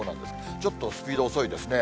ちょっとスピード遅いですね。